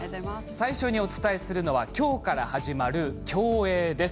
最初にお伝えするのはきょうから始まる競泳です。